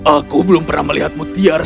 aku belum pernah melihat mutiar